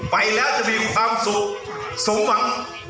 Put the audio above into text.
ไปแล้วจะมีความสุขสมหวัง